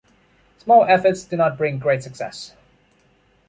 Small efforts do not bring great success.